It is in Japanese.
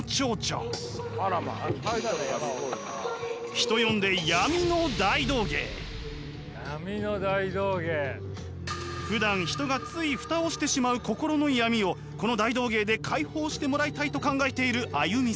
人呼んでふだん人がつい蓋をしてしまう心の闇をこの大道芸で解放してもらいたいと考えているＡＹＵＭＩさん。